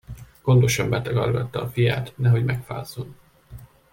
Gondosan betakargatta a fiát, nehogy megfázzon.